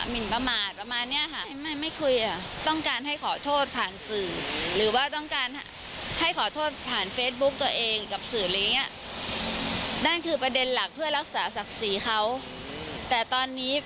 ๗ล้านคืออะไร